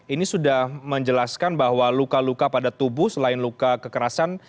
ini sudah menjelaskan bahwa luka luka pada tubuh selain luka kekerasan